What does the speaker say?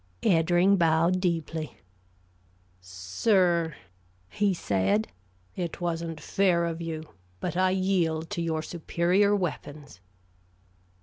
Eddring bowed deeply. "Sir," he said, "it wasn't fair of you; but I yield to your superior weapons!"